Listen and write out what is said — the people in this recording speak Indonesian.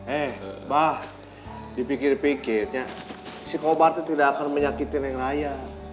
eh abah dipikir pikir si kobar itu tidak akan menyakiti neng raya